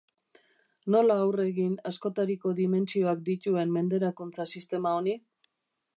Nola aurre egin askotariko dimentsioak dituen menderakuntza sistema honi?